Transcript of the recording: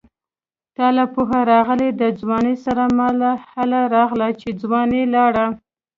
تاله پوهه راغله د ځوانۍ سره ماله هله راغله چې ځواني لاړه